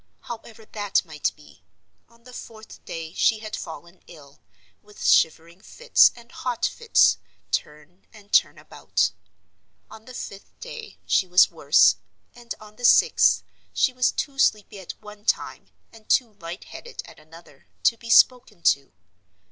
However that might be, on the fourth day she had fallen ill, with shivering fits and hot fits, turn and turn about. On the fifth day she was worse; and on the sixth, she was too sleepy at one time, and too light headed at another, to be spoken to.